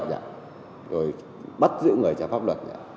rồi bắt giữ người trả pháp luật